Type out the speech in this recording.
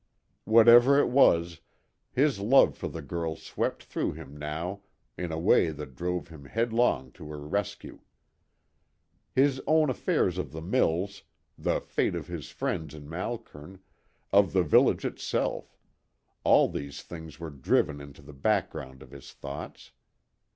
Whatever it was, his love for the girl swept through him now in a way that drove him headlong to her rescue. His own affairs of the mills, the fate of his friends in Malkern, of the village itself; all these things were driven into the background of his thoughts.